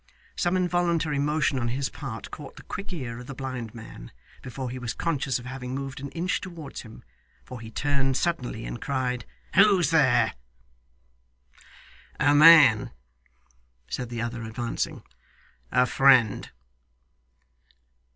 Some involuntary motion on his part caught the quick ear of the blind man, before he was conscious of having moved an inch towards him, for he turned suddenly and cried, 'Who's there?' 'A man,' said the other, advancing. 'A friend.